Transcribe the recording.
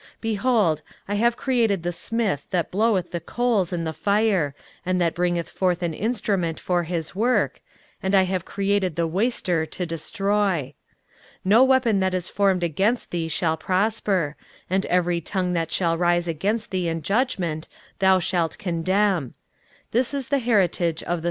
23:054:016 Behold, I have created the smith that bloweth the coals in the fire, and that bringeth forth an instrument for his work; and I have created the waster to destroy. 23:054:017 No weapon that is formed against thee shall prosper; and every tongue that shall rise against thee in judgment thou shalt condemn.